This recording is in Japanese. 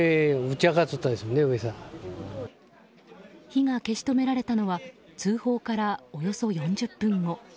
火が消し止められたのは通報から、およそ４０分後。